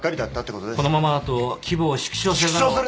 このままだと規模を縮小せざる。